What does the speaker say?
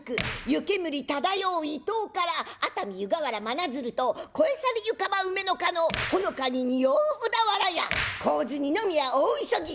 湯煙漂う伊東から熱海湯河原真鶴と越え去りゆかば梅の香のほのかに匂う小田原や国府津二宮大急ぎ